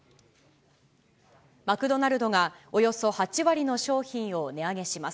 マクドナルドがおよそ８割の商品を値上げします。